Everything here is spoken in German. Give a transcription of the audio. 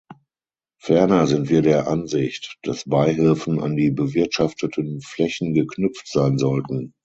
Ferner sind wir der Ansicht, dass Beihilfen an die bewirtschafteten Flächen geknüpft sein sollten.